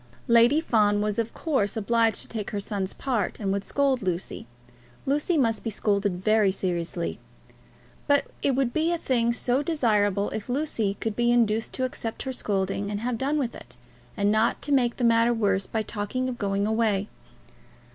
Lady Fawn was of course obliged to take her son's part, and would scold Lucy. Lucy must be scolded very seriously. But it would be a thing so desirable if Lucy could be induced to accept her scolding and have done with it, and not to make matters worse by talking of going away!